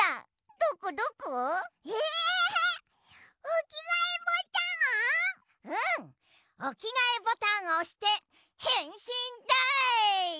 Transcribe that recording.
おきがえボタンをおしてへんしんだい！